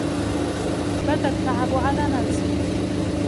بدا التعب على نانسي.